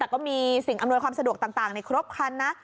แต่ก็มีสิ่งอำนวยความสะดวกต่างในครบคันนะ